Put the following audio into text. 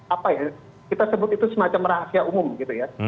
apa ya kita sebut itu semacam rahasia umum gitu ya